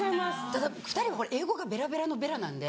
ただ２人はほら英語がベラベラのベラなんで。